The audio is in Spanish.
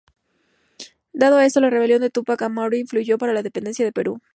Dado esto, la rebelión de Túpac Amaru influyó para la independencia del Perú.